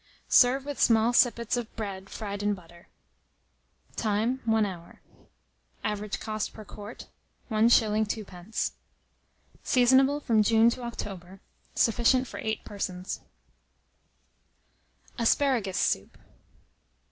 Serve with small sippets of bread fried in butter. Time. 1 hour. Average cost per quart, 1s. 2d. Seasonable from June to October. Sufficient for 8 persons. ASPARAGUS SOUP.